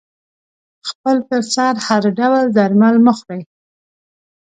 خپل پر سر هر ډول درمل مه خوری